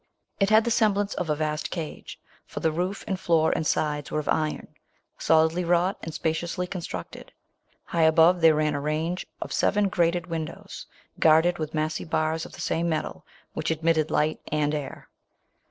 It had the semblance of a vast • forthe roof, and floor, and sides, wei c of iron, solidly wrought, and spaci ously constructed. High above the.re ran a range of seven grated win dows, guarded with massy bars of the same metal, which admitted light and air.